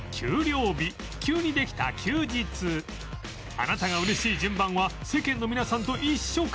あなたが嬉しい順番は世間の皆さんと一緒か？